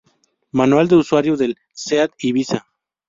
Manual de usuario del seat ibiza